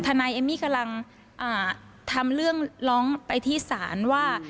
นายเอมมี่กำลังทำเรื่องร้องไปที่ศาลว่า